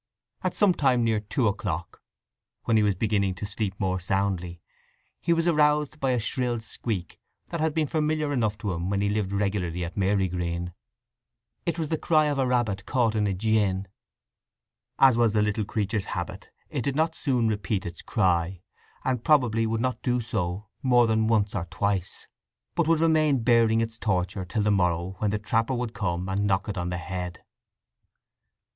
At some time near two o'clock, when he was beginning to sleep more soundly, he was aroused by a shrill squeak that had been familiar enough to him when he lived regularly at Marygreen. It was the cry of a rabbit caught in a gin. As was the little creature's habit, it did not soon repeat its cry; and probably would not do so more than once or twice; but would remain bearing its torture till the morrow when the trapper would come and knock it on the head.